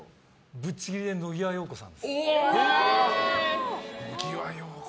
ぶっちぎりで野際陽子さんです。